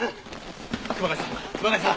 熊谷さん！